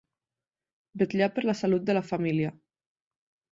Vetllar per la salut de la família.